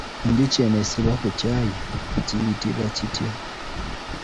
Enjuki eno esibwa ku kyayi ekiyitibwa kitya?